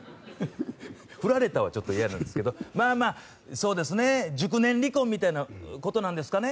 ふられたはちょっと嫌なんですけど、まあまあ、そうですね、熟年離婚みたいなことなんですかね。